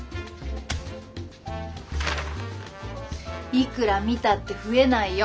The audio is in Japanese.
いくら見たって増えないよ